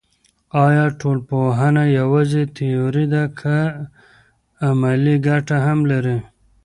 آیا ټولنپوهنه یوازې تیوري ده که عملي ګټه هم لري.